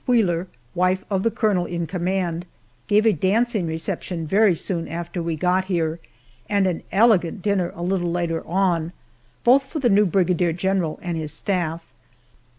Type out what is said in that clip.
Wheeler, wife of the colonel in command, gave a dancing reception very soon after we got here, and an elegant dinner a little later on both for the new brigadier general and his staff.